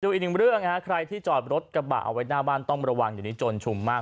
อีกหนึ่งเรื่องใครที่จอดรถกระบะเอาไว้หน้าบ้านต้องระวังเดี๋ยวนี้จนชุมมาก